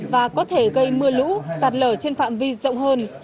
và có thể gây mưa lũ sạt lở trên phạm vi rộng hơn